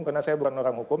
karena saya bukan orang hukum